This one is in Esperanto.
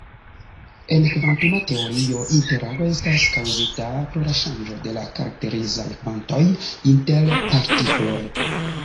En kvantuma teorio, interago estas kaŭzita pro la ŝanĝo de karakterizaj kvantoj inter partikloj.